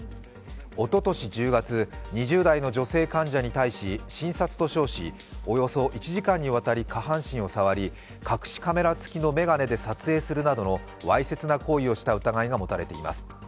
おととし１０月２０代の女性患者に対し診察と称し、およそ１時間にわたり下半身を触り、隠しカメラ付きの眼鏡で撮影するなどのわいせつな行為をした疑いが持たれています。